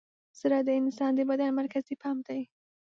زړه د انسان د بدن مرکزي پمپ دی.